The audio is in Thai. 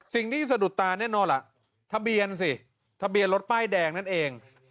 สิ่งที่สะดุดตาแน่นอนล่ะทะเบียนสิทะเบียนรถป้ายแดงนั่นเอง